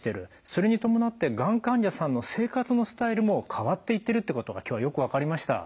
それに伴ってがん患者さんの生活のスタイルも変わっていってることが今日はよく分かりました。